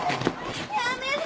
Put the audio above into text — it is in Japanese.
やめて。